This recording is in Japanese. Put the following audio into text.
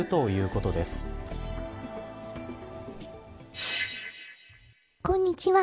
こんにちは。